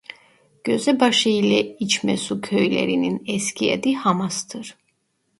Gözebaşı ile İçmesu köylerinin eski adı Hamas'tır.